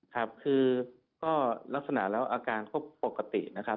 ครับคือก็ลักษณะแล้วอาการก็ปกตินะครับ